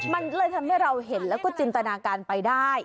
มันเลยทำให้เราเห็นแล้วก็จินตนาการไปได้